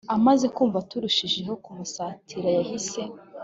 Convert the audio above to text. amaze kumva turushijeho kumusatira yahise